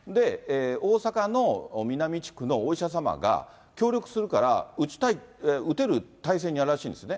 大阪のミナミ地区のお医者様が協力するから、打てる体制にあるらしいんですね。